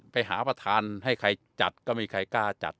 ไปหาประธานให้ใครจัดก็ไม่มีใครกล้าจัด